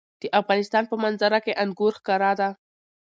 د افغانستان په منظره کې انګور ښکاره ده.